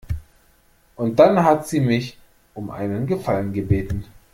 Und dann hat sie mich um einen Gefallen gebeten.